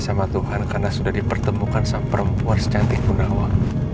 sama tuhan karena sudah dipertemukan seperempuan secantik bunda wa